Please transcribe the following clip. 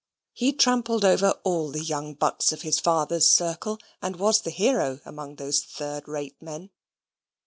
He trampled over all the young bucks of his father's circle, and was the hero among those third rate men.